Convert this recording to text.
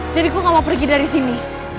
jadi gue gak mau pergi dari sini